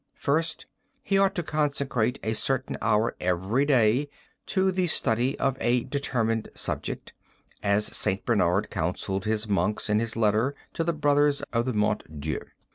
"First: He ought to consecrate a certain hour every day to the study of a determined subject, as St. Bernard counselled his monks in his letter to the Brothers of the Mont Dieu.